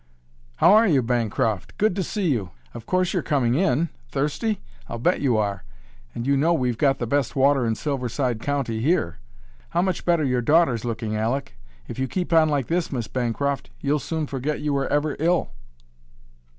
"How are you, Bancroft? Glad to see you! And Miss Bancroft, too! Of course you're coming in. Thirsty? I'll bet you are! And you know we've got the best water in Silverside County here. How much better your daughter's looking, Aleck! If you keep on like this, Miss Bancroft, you'll soon forget you were ever ill."